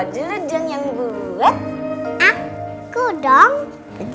ken airlines juga jatuh suara cintanya